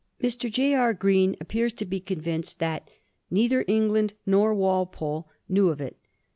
Mr. J. B. Qreen appears to be convinced that ^' neither England nor Walpole " knew of it.